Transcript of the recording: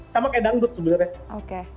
sama kayak dangdut sebenarnya